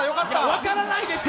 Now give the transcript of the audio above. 分からないです